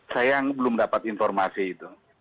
sayang belum dapat informasi itu